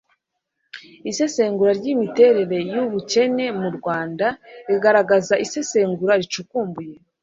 isesengura ry'imiterere y'ubukene mu rwanda rigaragaza isesengura ricukumbuye